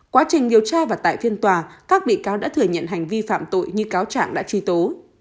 quá trình điều tra và tại phiên tòa các bị cáo đã thừa nhận hành vi phạm tội như cáo trạng đã truy tố